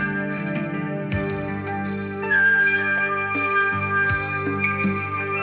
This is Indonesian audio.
sayang di sekitar rumah